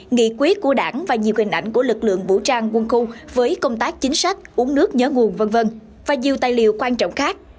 nghị quyết của đảng và nhiều hình ảnh của lực lượng vũ trang quân khu với công tác chính sách uống nước nhớ nguồn v v và nhiều tài liệu quan trọng khác